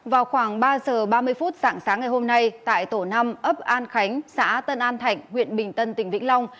vào khoảng ba giờ ba mươi phút sáng sáng ngày hôm nay tại tổ năm ấp an khánh xã tân an thạnh huyện bình tân tỉnh vĩnh long